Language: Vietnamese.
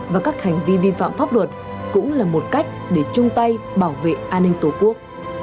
và các hành vi vi phạm pháp luật cũng là một cách để chung tay bảo vệ an ninh tổ quốc